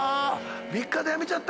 「３日でやめちゃった。